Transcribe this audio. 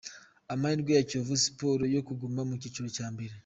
Amahirwe ya Kiyovu Sports yo kuguma mu cyiciro cya mbere.